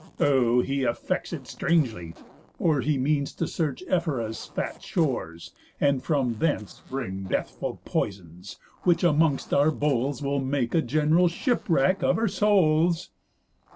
O he affects it strangely! Or he means To search Ephyra's fat shores, and from thence Bring deathful poisons, which amongst our bowls Will make a general shipwrack of our souls."